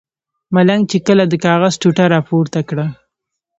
ملنګ چې کله د کاغذ ټوټه را پورته کړه.